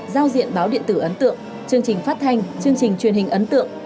giao diện báo điện tử ấn tượng chương trình phát thanh chương trình truyền hình ấn tượng